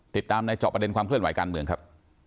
ติดตามในจอบประเด็นความเคลื่อนไหวการเมืองครับ